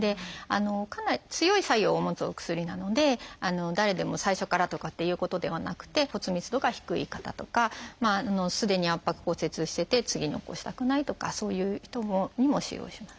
かなり強い作用を持つお薬なので誰でも最初からとかっていうことではなくて骨密度が低い方とかすでに圧迫骨折してて次に起こしたくないとかそういう人にも使用します。